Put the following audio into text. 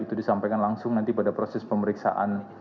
itu disampaikan langsung nanti pada proses pemeriksaan